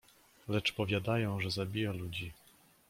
"Lecz powiadają, że zabija ludzi."